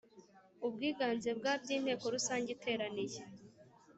ubwiganze bwa by Inteko Rusange iteraniye